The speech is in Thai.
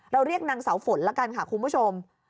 เรียกนางเสาฝนละกันค่ะคุณผู้ชม